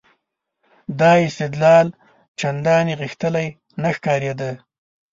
دا استدلال چندانې غښتلی نه ښکارېده.